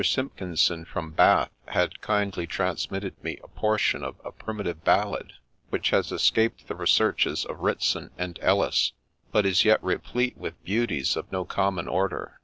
Simpkinson from Bath had kindly transmitted me a portion of a primitive ballad, which has escaped the researches of Ritson and Ellis, but is yet replete with beauties of no common order.